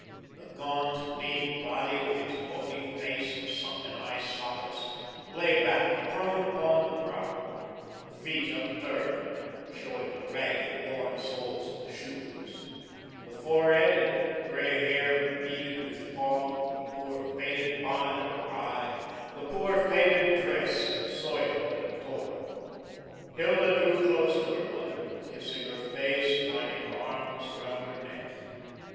The gaunt, lean body, with its bony face and sunken eye sockets, lay back, prone upon the ground, the feet upturned and showing the ragged, worn soles of the shoes, the forehead and grey hair beaded with fog, the poor, faded bonnet awry, the poor, faded dress soiled and torn. Hilda drew close to her mother, kissing her face, twining her arms around her neck.